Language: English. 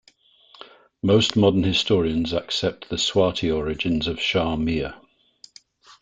Most modern historians accept the Swati origins of Shah Mir.